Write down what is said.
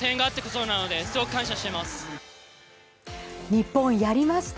日本やりました！